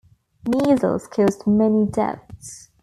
Measles caused many deaths.